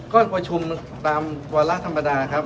กรประชุมตามวาระธรรมดา